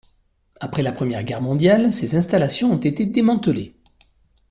Après la Première Guerre mondiale, ces installations ont été démantelées.